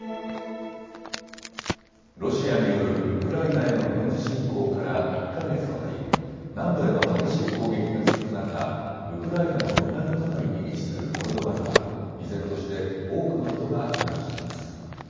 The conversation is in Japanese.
ロシアによるウクライナへの軍事侵攻から１か月となり南部への激しい攻撃が続く中、ウクライナの南隣に位置するモルドバには依然として多くの人が避難しています。